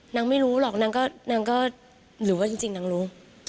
นางไม่รู้หรอกนางก็หรือว่าจริงนางรู้